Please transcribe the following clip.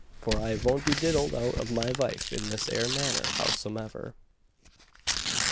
for I vont be diddled out of my vife in this ere manner, howsomever."